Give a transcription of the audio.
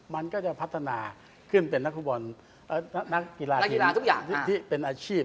มันก็จะพัฒนาขึ้นเป็นนักกีฬาชนที่เป็นอาชีพ